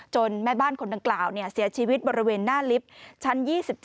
แม่บ้านคนดังกล่าวเสียชีวิตบริเวณหน้าลิฟต์ชั้น๒๗